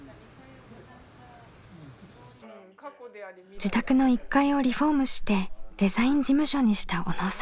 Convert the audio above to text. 自宅の１階をリフォームしてデザイン事務所にした小野さん。